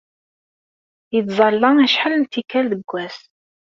Ittẓalla acḥal n tikkal deg wass.